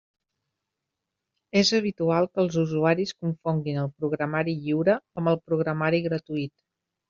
És habitual que els usuaris confonguin el programari lliure amb el programari gratuït.